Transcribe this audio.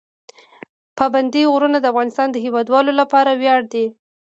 پابندی غرونه د افغانستان د هیوادوالو لپاره ویاړ دی.